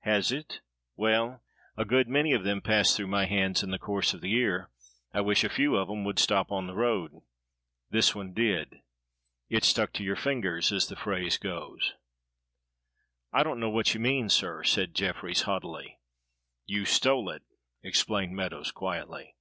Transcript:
"Has it? well a good many of them pass through my hands in the course of the year. I wish a few of 'em would stop on the road." "This one did. It stuck to your fingers, as the phrase goes." "I don't know what you mean, sir," said Jefferies haughtily. "You stole it," explained Meadows quietly.